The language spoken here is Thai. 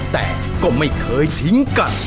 แต่ก็ไม่เคยทิ้งกัน